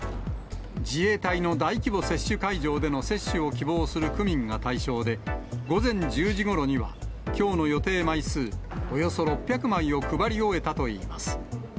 自衛隊の大規模接種会場での接種を希望する区民が対象で、午前１０時ごろにはきょうの予定枚数およそ６００枚を配り終えたといいます。